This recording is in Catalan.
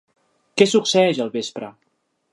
Què succeeix al vespre?